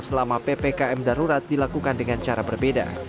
selama ppkm darurat dilakukan dengan cara berbeda